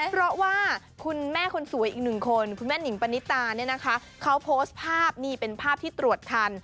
เพราะว่าคุณแม่คนสวยอีกหนึ่งคนคุณแม่หนิงปณิตาเนี่ยนะคะเขาโพสต์ภาพนี่เป็นภาพที่ตรวจทัน